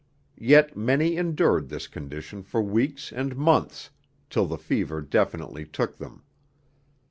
Yet many endured this condition for weeks and months till the fever definitely took them.